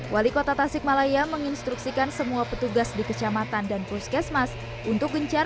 wali kota tasikmalaya menginstruksikan semua petugas di kecamatan dan puskesmas untuk gencar